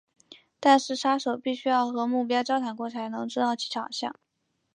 但是杀手必须要和目标交谈过才能知道其长相。